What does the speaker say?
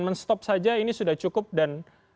men stop saja ini sudah cukup dan